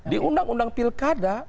di undang undang pilkada